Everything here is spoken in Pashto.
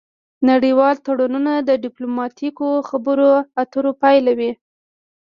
نړیوال تړونونه د ډیپلوماتیکو خبرو اترو پایله وي